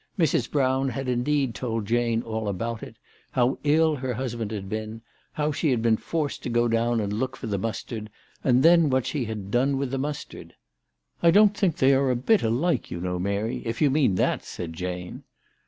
Mrs. Brown had indeed told Jane all about it, how ill her husband had been, how she had been forced to go down and look for the mustard, and then what she had done with the mustard. " I don't think they are a bit alike you know, Mary, if you mean that," said Jane.